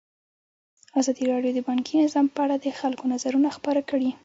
ازادي راډیو د بانکي نظام په اړه د خلکو نظرونه خپاره کړي.